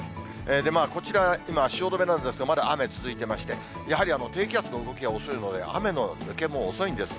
こちら、今、汐留なんですが、まだ雨続いてまして、やはり低気圧の動きが遅いので、雨の抜けも遅いんです。